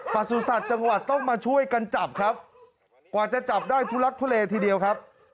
ประสุทธิ์จังหวัดต้องมาช่วยกันจับครับกว่าจะจับได้ทุลักทุเลทีเดียวครับ